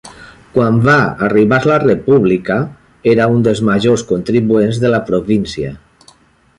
Quan va arribar la República era uns dels majors contribuents de la província.